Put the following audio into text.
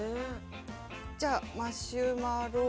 じゃあマシュマロ。